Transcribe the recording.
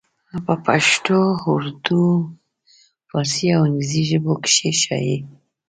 پۀ پښتو اردو، فارسي او انګريزي ژبو کښې شايع